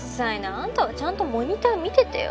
あんたはちゃんとモニター見ててよ。